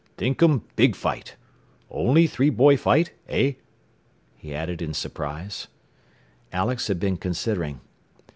"Thinkum big fight. Only three boy fight, eh?" he added in surprise. Alex had been considering.